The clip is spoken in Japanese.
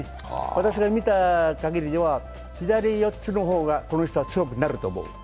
私が見たかぎりでは左四つの方がこの人は強くなると思う。